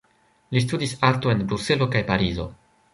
Li studis arto en Bruselo kaj Parizo.